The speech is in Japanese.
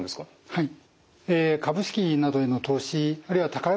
はい。